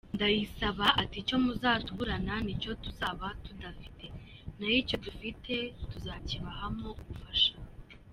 Ndayisaba ati “Icyo muzatuburana n’icyo tuzaba tudafite naho icyo dufite tuzakibahamo ubufasha.